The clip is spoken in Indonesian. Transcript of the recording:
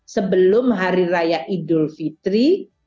sebelum hari raya idul fitri